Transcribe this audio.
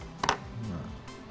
sambel apa aja